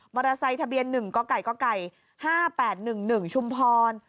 เตอร์ไซค์ทะเบียน๑กก๕๘๑๑ชุมพร